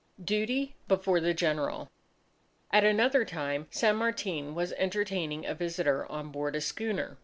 Duty Before the General At another time, San Martin was entertaining a visitor on board a schooner.